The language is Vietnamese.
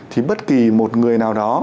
thì bất kỳ một người nào đó